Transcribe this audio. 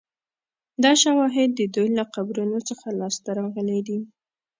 دا شواهد د دوی له قبرونو څخه لاسته راغلي دي